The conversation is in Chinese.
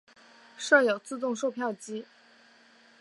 设有自动售票机。